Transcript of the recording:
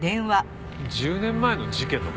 １０年前の事件の事？